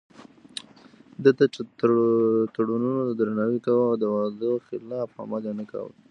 ده د تړونونو درناوی کاوه او د وعدو خلاف عمل يې نه کاوه.